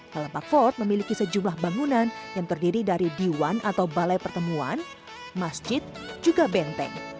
lalabak fort memiliki sejumlah bangunan yang terdiri dari diwan atau balai pertemuan masjid juga benteng